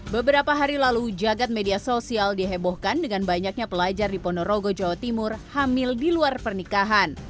beberapa hari lalu jagad media sosial dihebohkan dengan banyaknya pelajar di ponorogo jawa timur hamil di luar pernikahan